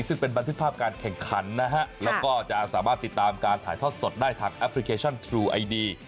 ซึ่งเป็นบันทึกภาพการแข่งขันนะฮะแล้วก็จะสามารถติดตามการถ่ายทอดสดได้ทางแอปพลิเคชันทรูไอดี